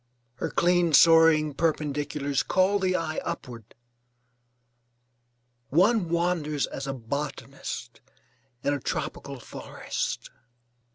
Her clean soaring perpendiculars call the eye upward. One wanders as a botanist in a tropical forest.